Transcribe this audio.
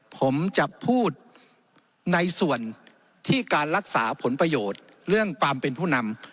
ผมจะพูดในส่วนที่การรักษาผลประโยชน์เรื่องความเป็นผู้นำ